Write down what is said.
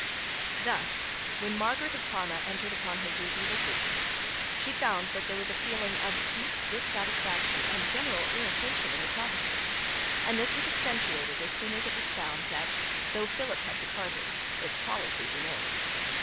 Thus, when Margaret of Parma entered upon her duties as regent, she found that there was a feeling of deep dissatisfaction and general irritation in the provinces; and this was accentuated as soon as it was found that, though Philip had departed, his policy remained.